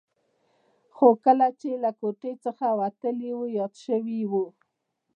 خو کله چې له کوټې څخه وتلی و یاد شوي یې و.